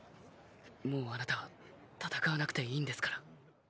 もうあなたは戦わなくていいんですから。